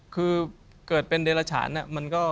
คือเกิดเป็นใดละฉานมันก็